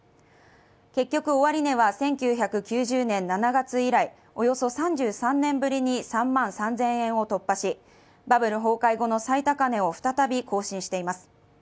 結局、終値は１９９０年７月以来、およそ３３年ぶりに３万３０００円を突破しバブル崩壊後の最高値を再び更新しています。